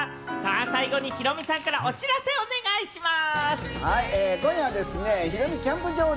最後にヒロミさんからお知らせお願いします。